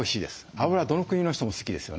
脂どの国の人も好きですよね。